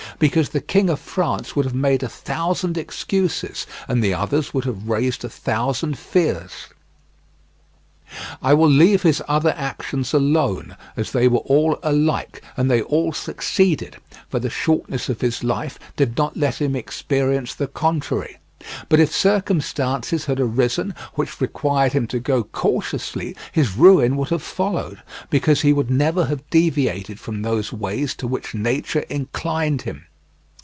Because the King of France would have made a thousand excuses, and the others would have raised a thousand fears. I will leave his other actions alone, as they were all alike, and they all succeeded, for the shortness of his life did not let him experience the contrary; but if circumstances had arisen which required him to go cautiously, his ruin would have followed, because he would never have deviated from those ways to which nature inclined him.